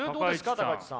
高市さん。